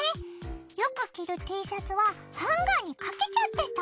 よく着るＴシャツはハンガーにかけちゃってた。